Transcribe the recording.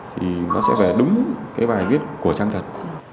thì nó sẽ về đúng cái bài viết của trang thật